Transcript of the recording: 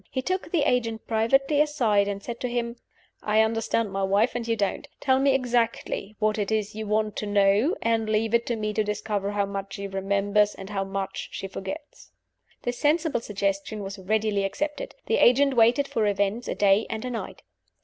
He took the agent privately aside, and said to him, "I understand my wife, and you don't. Tell me exactly what it is you want to know, and leave it to me to discover how much she remembers and how much she forgets." This sensible suggestion was readily accepted. The agent waited for events a day and a night.